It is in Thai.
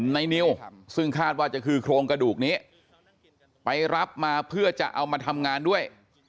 ในนิวซึ่งคาดว่าจะคือโครงกระดูกนี้ไปรับมาเพื่อจะเอามาทำงานด้วย